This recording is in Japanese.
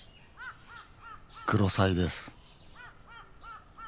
クロサイです